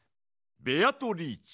ベアトリーチェ。